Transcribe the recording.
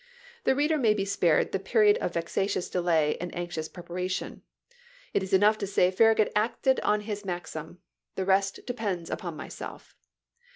The reader may be spared the period of vexatious delay and anxious preparation ; it is enough to say Farragut acted on his maxim, " the rest depends upon myself."